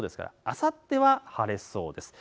あさっては晴れそうです。